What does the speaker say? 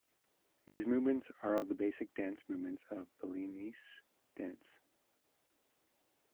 These movements are the basic dance movements of Balinese dance.